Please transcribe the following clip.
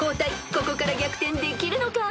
［ここから逆転できるのか？］